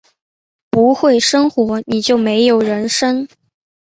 不会生活，你就没有人生